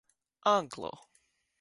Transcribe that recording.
Anglo